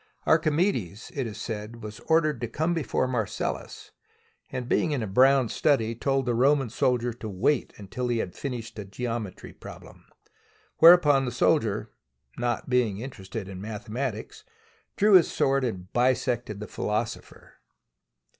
Archimedes, it is said, was ordered to come before Marcellus, and being in a brown study, told the SIEGE OF SYRACUSE Roman soldier to wait till he finished a geometry problem; whereupon the soldier, not being inter ested in mathematics, drew his sword and bisected the philosopher.